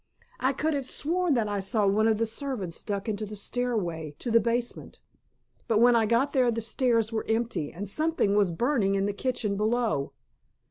I could have sworn that I saw one of the servants duck into the stairway to the basement, but when I got there the stairs were empty, and something was burning in the kitchen below.